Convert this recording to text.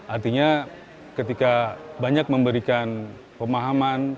artinya ketika banyak memberikan pemahaman